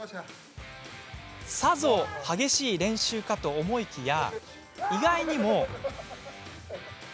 さぞ激しい練習かと思いきや意外にも。